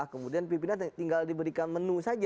kemudian pimpinan tinggal diberikan menu saja